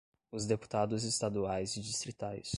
os deputados estaduais e distritais;